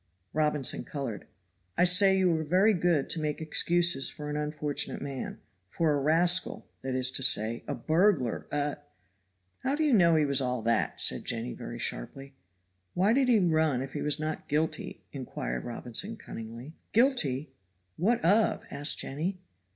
Robinson colored. "I say you are very good to make excuses for an unfortunate man for a rascal that is to say, a burglar; a " "And how do you know he was all that?" asked Jenny very sharply. "Why did he run if he was not guilty?" inquired Robinson cunningly. "Guilty what of?" asked Jenny.